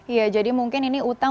ya jadi mungkin ini hutang